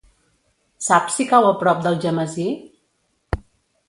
Saps si cau a prop d'Algemesí?